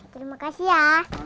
terima kasih ya